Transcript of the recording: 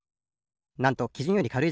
なんときじゅんよりかるい